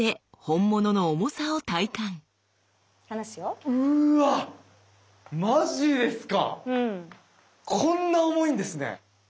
こんな重いんですね。